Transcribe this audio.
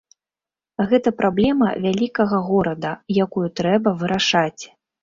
Гэта праблема вялікага горада, якую трэба вырашаць.